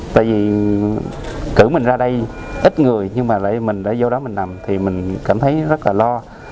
tại vì cử mình ra đây ít người nhưng mà lại mình đã vô đó mình nằm thì mình cảm thấy rất là lo